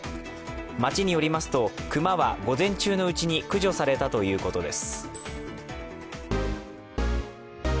町によりますと熊は午前中のうちに駆除されたということです